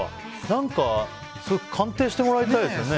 何か、鑑定してもらいたいですね。